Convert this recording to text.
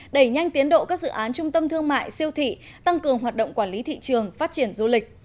đẩy nhanh tiến độ các dự án trung tâm thương mại siêu thị tăng cường hoạt động quản lý thị trường phát triển du lịch